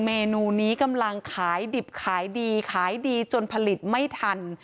เมนูนี้กำลังขายดิบขายดีขายดีจนผลิตไม่ทัน